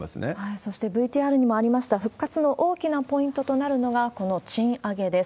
そしてＶＴＲにもありました、復活の大きなポイントとなるのが、この賃上げです。